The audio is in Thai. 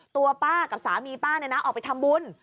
ตัวป้ากับสามีป้าออกไปทำบุญ